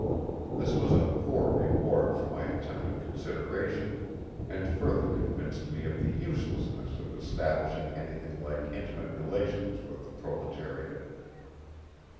This was a poor reward for my attempt at consideration, and further convinced me of the uselessness of establishing anything like intimate relations with the proletariat.